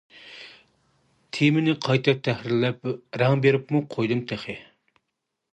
تېمىنى قايتا تەھرىرلەپ رەڭ بېرىپمۇ قويدۇم تېخى.